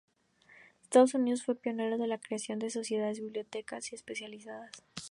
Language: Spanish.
Estados Unidos fue pionero en la creación de sociedades de bibliotecas especializadas.